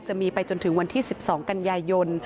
จะมีไปจนถึงวันที่๑๒กันยายน